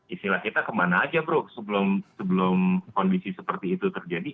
istilah kita kemana aja bro sebelum kondisi seperti itu terjadi